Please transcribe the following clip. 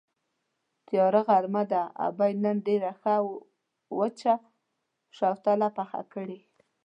تیاره غرمه ده، ابۍ نن ډېره ښه وچه شوتله پخه کړې.